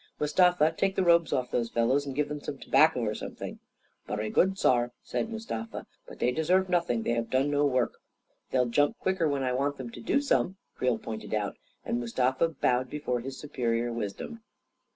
Mustafa, take the robes off those fellows and give them some tobacco or some thing." " Vurry good, saar," said Mustafa; " but they de serve nothing — they have done no work." " They'll jump quicker when I want them to do some," Creel pointed out; and Mustafa bowed be fore his superior wisdom.